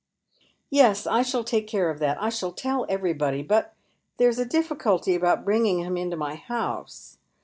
"Yes, I shall take care of that. I shall tell everybody. But there is a difficulty about bringing him into my house.